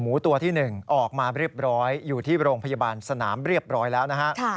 หมูตัวที่๑ออกมาเรียบร้อยอยู่ที่โรงพยาบาลสนามเรียบร้อยแล้วนะฮะ